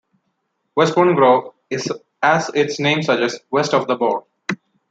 Westbourne Grove is, as its name suggests, west of the bourne.